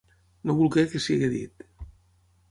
No voler que sigui dit.